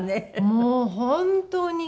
もう本当に。